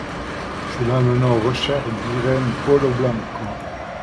Cela mena aux recherches d'Irene Polo-Blanco.